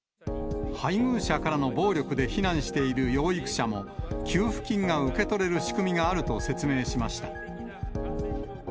配偶者からの暴力で避難している養育者も、給付金が受け取れる仕組みがあると説明しました。